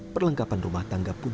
perlengkapan rumah tangga pun